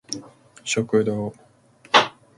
食堂